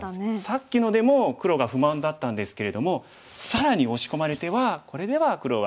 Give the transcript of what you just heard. さっきのでも黒が不満だったんですけれども更に押し込まれてはこれでは黒はうんダメですね。